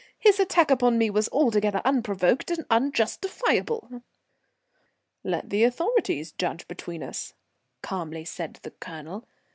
His attack upon me was altogether unprovoked and unjustifiable." "Let the authorities judge between us," calmly said the Colonel.